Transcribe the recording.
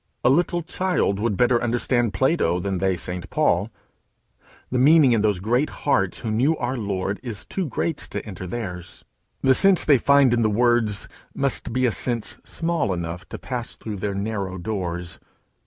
A little child would better understand Plato than they St Paul. The meaning in those great hearts who knew our Lord is too great to enter theirs. The sense they find in the words must be a sense small enough to pass through their narrow doors.